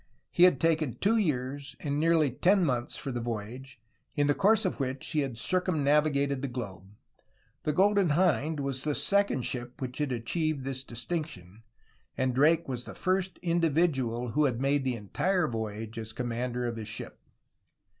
He had taken two years and nearly ten months for the voyage, in the course of which he had circumnavigated the globe. The Golden Hind was the second ship which had achieved this distinction, and Drake was the first individual who had made the entire voyage as commander of his ship.